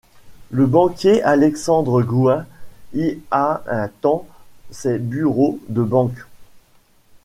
Le banquier Alexandre Goüin y a un temps ses bureaux de banque.